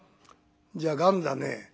「じゃあがんだね」。